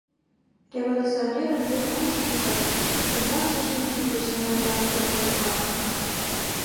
Революционерын пӱрымаштыже тюрьмаште шинчыме деч неле жап уке докан.